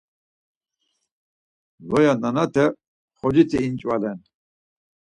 Loya nenate xoci ti inç̌valen.